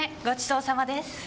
ごちそうさまです。